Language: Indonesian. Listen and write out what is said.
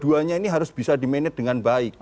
dua duanya ini harus bisa dimanage dengan baik